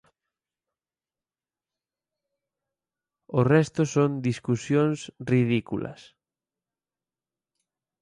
O resto son discusións ridículas.